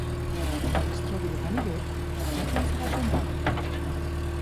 Quan es trobi el ganivet, ja pensarà com batre'l.